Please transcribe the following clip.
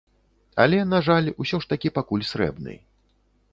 Але, на жаль, усё ж такі пакуль срэбны.